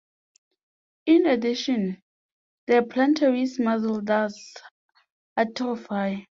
In addition, the plantaris muscle does atrophy.